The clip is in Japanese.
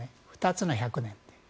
２つの１００年